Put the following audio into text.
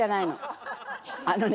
あのね